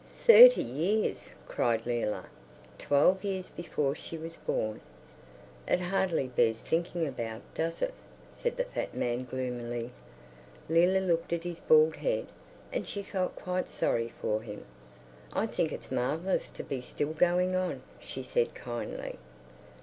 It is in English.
"Thirty years?" cried Leila. Twelve years before she was born! "It hardly bears thinking about, does it?" said the fat man gloomily. Leila looked at his bald head, and she felt quite sorry for him. "I think it's marvellous to be still going on," she said kindly.